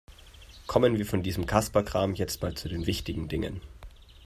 Kommen wir von diesem Kasperkram jetzt mal zu den wichtigen Dingen.